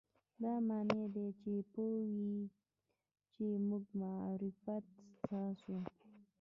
دا معنی دې پوه وي چې موږ مفارقت ستاسو.